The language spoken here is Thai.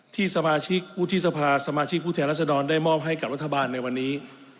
ที่สมาชิกวุฒิสภาสมาชิกผู้แทนรัศดรได้มอบให้กับรัฐบาลในวันนี้